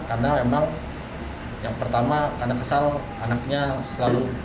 karena memang yang pertama anak kesal anaknya selalu